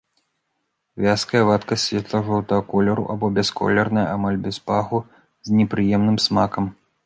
Вязкая вадкасць светла-жоўтага колеру або бясколерная, амаль без паху, з непрыемным смакам.